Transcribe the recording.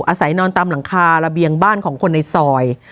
อาศัยนอนตามหลังคาระเบียงบ้านของคนในซอย